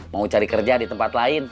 mau cari kerja di tempat lain